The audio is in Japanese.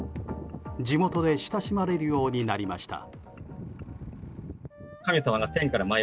地元で親しまれるようになりました。